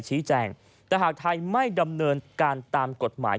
ชี้แจงแต่หากไทยไม่ดำเนินการตามกฎหมาย